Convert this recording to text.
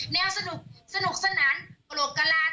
แนวสนุกสนุกสนั้นโนโลกราซ์